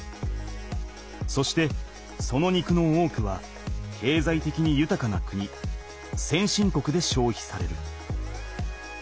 そしてその肉の多くはけいざいてきにゆたかな国先進国でしょうひされる。